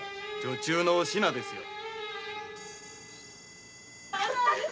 女中のお品ですよ。